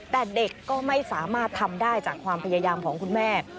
แต่เด็กก็ไม่สามารถทำได้จากความพยายามของคุณแม่